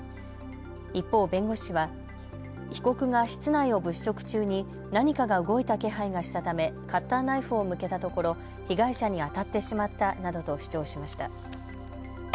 一方、弁護士は被告が室内を物色中に何かが動いた気配がしたためカッターナイフを向けたところ被害者に当たってしまったなどと主張しました。